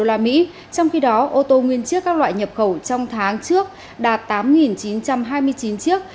trong khi đó ô tô nguyên chiếc các loại nhập khẩu trong tháng trước đạt tám chín trăm hai mươi chín chiếc